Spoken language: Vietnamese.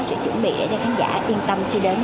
sự chuẩn bị cho khán giả yên tâm khi đến